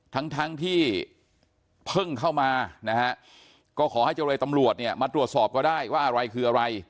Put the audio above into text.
ทั้งที่เพิ่งเข้ามานะฮะก็ขอให้จังหวัยตำรวจมาตรวจสอบก็ได้ว่าอะไรคืออะไร